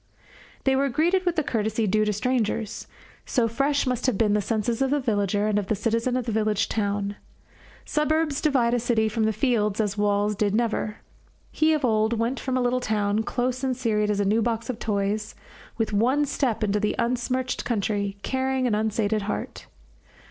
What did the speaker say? They were greeted with the courtesy due to strangers, so fresh must have been the senses of the villager, and of the citizen of the village town. Suburbs divide a city from the fields as walls did never. He of old went from a little town, close and serried as a new box of toys, with one step into the unsmirched country, carrying an unsated heart.